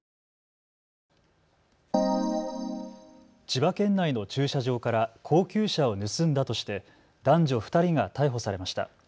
千葉県内の駐車場から高級車を盗んだとして男女２人が逮捕されました。